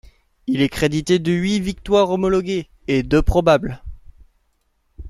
Il est crédité de huit victoires homologuées et deux probables.